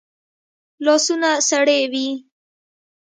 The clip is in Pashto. لاسونه سړې وي